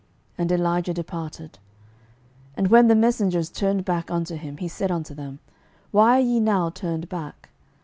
And Elijah departed. 12:001:005 And when the messengers turned back unto him, he said unto them, Why are ye now turned back?